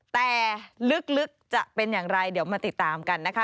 แต่ลึกจะเป็นอย่างไรเดี๋ยวมาติดตามกันนะคะ